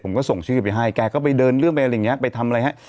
ผมก็ส่งชื่อไปให้แกก็ไปเดินเรื่องไปอะไรอย่างนี้ไปทำอะไรฮะ